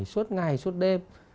suốt ngày suốt đêm